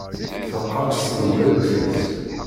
Teqqeṛṣ teylewt-is.